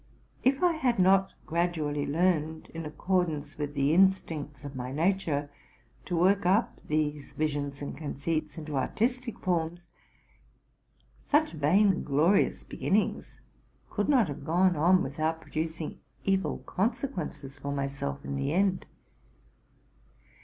If I had not gradually learned, in accordance with the instincts of my nature, to work up these visions and conceits into artistic forms, such vain glorious beginnings could not have gone on without producing evil consequences for myself in the end.